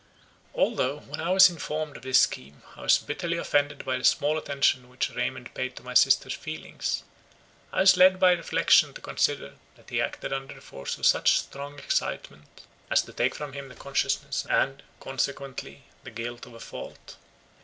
Although, when I was informed of this scheme, I was bitterly offended by the small attention which Raymond paid to my sister's feelings, I was led by reflection to consider, that he acted under the force of such strong excitement, as to take from him the consciousness, and, consequently, the guilt of a fault.